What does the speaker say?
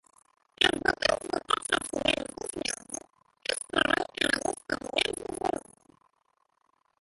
Els detalls de tots els imams d'Ismaili es troben a la llista d'imams d'Ismaili.